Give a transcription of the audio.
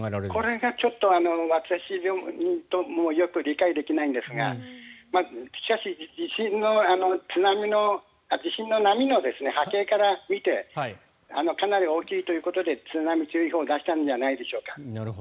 これがちょっと私どももよく理解できないんですが地震の波の波形から見てかなり大きいということで津波注意報を出したんじゃないでしょうか。